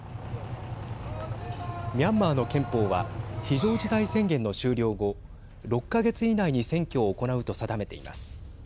ミャンマーの憲法は非常事態宣言の終了後６か月以内に選挙を行うと定めています。